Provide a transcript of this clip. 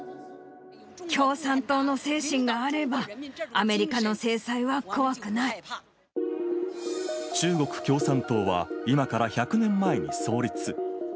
共産党の精神があれば、中国共産党は、今から１００年前に創立。